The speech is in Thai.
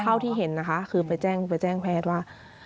เท่าที่เห็นนะคะคือไปแจ้งแพทย์ว่า